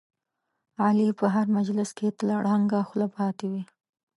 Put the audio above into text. علي په هر مجلس کې تل ړنګه خوله پاتې وي.